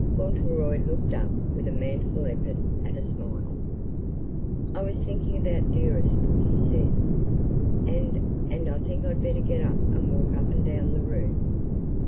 Fauntleroy looked up with a manful effort at a smile. "I was thinking about Dearest," he said; "and and I think I'd better get up and walk up and down the room."